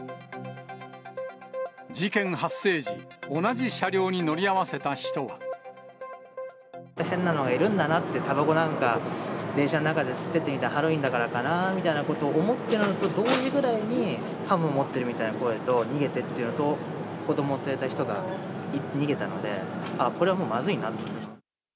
事件発生時、変なのがいるんだなって、たばこなんか電車の中で吸っててみたいな、ハロウィーンだからかなみたいなことを思ったのと同時ぐらいに、刃物持ってるみたいな声と、逃げてっていう声と、子ども連れた人が逃げてて、あっ、これはもうまずいなと。